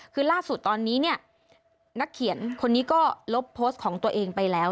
คือล่าสุดตอนนี้เนี่ยนักเขียนคนนี้ก็ลบโพสต์ของตัวเองไปแล้ว